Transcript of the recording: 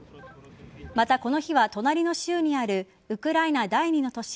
また、この日は隣の州にあるウクライナ第２の都市